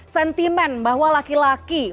sentimen bahwa laki laki